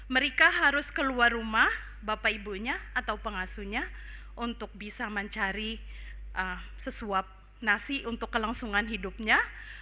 mereka harus keluar rumah bapak ibunya atau pengasuhnya untuk bisa mencari sesuap nasi untuk kelangsungan hidupnya